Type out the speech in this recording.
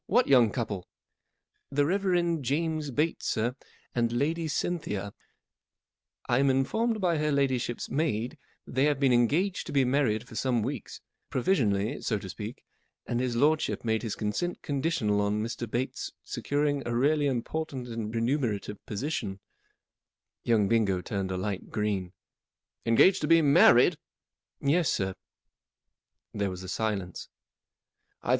What young couple ?" M The Reverend James Bates, sir, and Lady Cynthia. I am informed by her ladyship's maid that they have been engaged to be married for some weeks—provisionally, so to speak ; and his lordship made his consent conditional on Mr* Bates securing a really important and remunerative position/* Young Bingo turned a light green, " Engaged to be married I *' i+ Yes, sir/' M So you had inside infoima lion* dash it ?